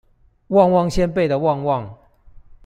旺旺仙貝的旺旺